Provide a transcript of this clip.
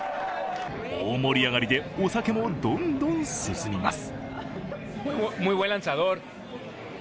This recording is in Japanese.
大盛り上がりでお酒もどんどん進みます。